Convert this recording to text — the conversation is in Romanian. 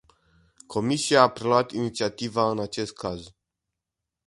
Comisia a preluat inițiativa în acest caz.